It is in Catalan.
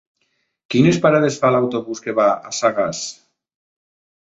Quines parades fa l'autobús que va a Sagàs?